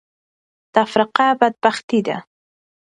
تفرقه بدبختي ده.